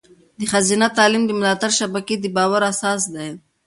د ښځینه تعلیم د ملاتړ شبکې د باور اساس دی.